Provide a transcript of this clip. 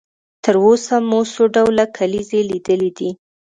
تر اوسه مو څو ډوله کلیزې لیدلې دي؟